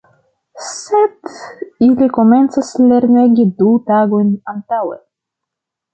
Sed ili komencas lernegi du tagojn antaŭe.